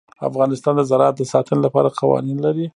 افغانستان د زراعت د ساتنې لپاره قوانین لري.